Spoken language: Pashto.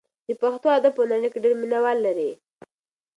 د پښتو ادب په نړۍ کې ډېر مینه وال لري.